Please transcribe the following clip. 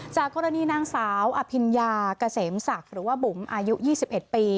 จากกรณีนางสาวอภิญญาเกษมศักดิ์หรือว่าบุ๋มอายุ๒๑ปี